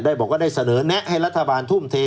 บอกว่าได้เสนอแนะให้รัฐบาลทุ่มเท